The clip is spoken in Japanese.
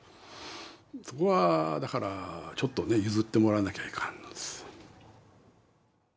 そこはだからちょっとね譲ってもらわなきゃいかんのです。